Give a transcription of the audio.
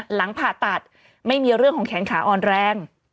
หลังผ่าตัดไม่มีเรื่องของแขนขาอ่อนแรง